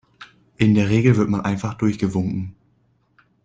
In der Regel wird man einfach durchgewunken.